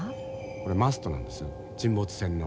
これマストなんです沈没船の。